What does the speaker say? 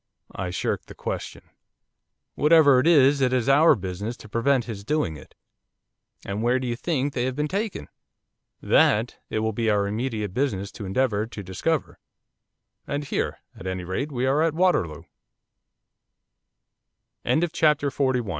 I shirked the question. 'Whatever it is, it is our business to prevent his doing it.' 'And where do you think they have been taken?' 'That it will be our immediate business to endeavour to discover, and here, at any rate, we are at